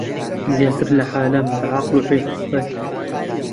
زیاتر لە عالەم بە عەقڵ و عیففەت